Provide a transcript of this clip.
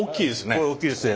これ大きいですね。